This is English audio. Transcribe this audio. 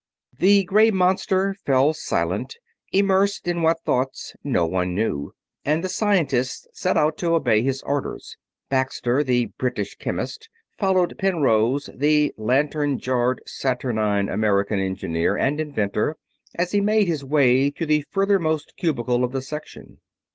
The gray monster fell silent, immersed in what thoughts no one knew, and the scientists set out to obey his orders. Baxter, the British chemist, followed Penrose, the lantern jawed, saturnine American engineer and inventor, as he made his way to the furthermost cubicle of the section.